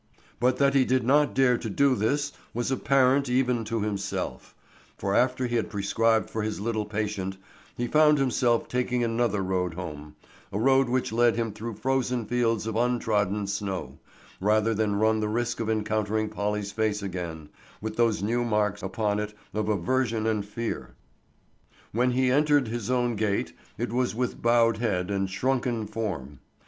But that he did not dare to do this was apparent even to himself; for after he had prescribed for his little patient he found himself taking another road home, a road which led him through frozen fields of untrodden snow, rather than run the risk of encountering Polly's face again, with those new marks upon it of aversion and fear. When he re entered his own gate it was with bowed head and shrunken form.